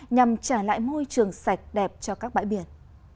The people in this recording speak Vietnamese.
nhằm trả lại môi trường sạch đẹp cho các bãi biển